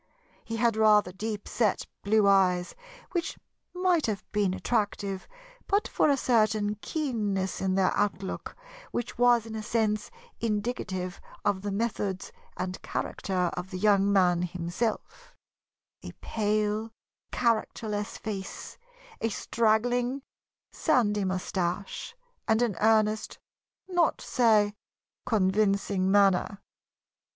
He had rather deep set blue eyes, which might have been attractive but for a certain keenness in their outlook, which was in a sense indicative of the methods and character of the young man himself; a pale, characterless face, a straggling, sandy moustache, and an earnest, not to say convincing, manner.